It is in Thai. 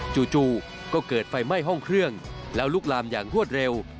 จู่ก็เกิดไฟไหม้ห้องเครื่องแล้วลุกลามอย่างรวดเร็ว